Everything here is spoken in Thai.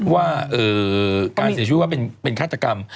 ว่าการเสียชีวิตมันเป็นคราธิกรรม